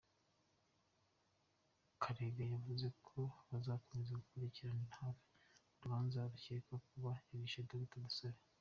Karega yavuze ko bazakomeza gukurikiranira hafi urubanza rw’ukekwaho kuba yarishe Dr Dusabe.